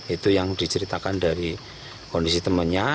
itu yang diceritakan dari kondisi temannya